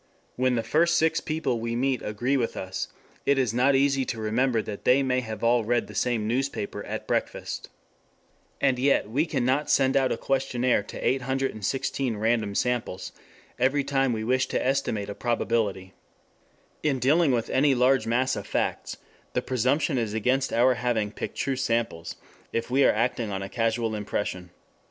When the first six people we meet agree with us, it is not easy to remember that they may all have read the same newspaper at breakfast. And yet we cannot send out a questionnaire to 816 random samples every time we wish to estimate a probability. In dealing with any large mass of facts, the presumption is against our having picked true samples, if we are acting on a casual impression.